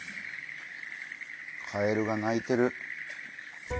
カエルが鳴いてる。